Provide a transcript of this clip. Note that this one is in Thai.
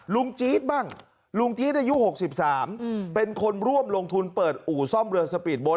จี๊ดบ้างลุงจี๊ดอายุ๖๓เป็นคนร่วมลงทุนเปิดอู่ซ่อมเรือสปีดโบ๊